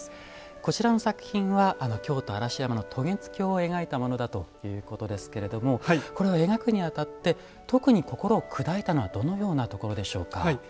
こちらの作品は京都・嵐山の渡月橋を描いたものだということですけれどもこれを描くにあたって特に心を砕いたのはどのようなところでしょうか？